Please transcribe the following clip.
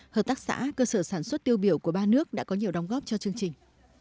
hợp tác xã cơ sở sản xuất tiêu biểu của ba nước đã có nhiều đóng góp cho chương trình